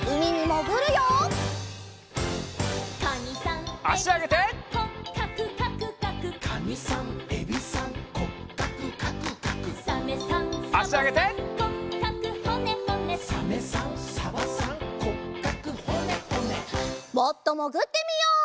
もっともぐってみよう！